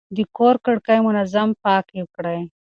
د کور کړکۍ منظم پاکې کړئ.